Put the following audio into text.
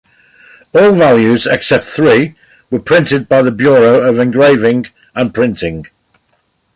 All values except three were printed by the Bureau of Engraving and Printing.